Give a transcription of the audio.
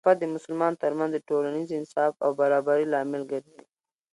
خلافت د مسلمانانو ترمنځ د ټولنیز انصاف او برابري لامل ګرځي.